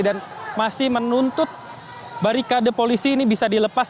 dan masih menuntut barikade polisi ini bisa dilepas